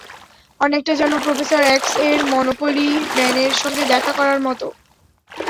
অনেকটা যেন প্রফেসর এক্স-এর মনোপলি ম্যানের সঙ্গে দেখা করার মত।